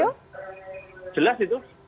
jelas itu lanjut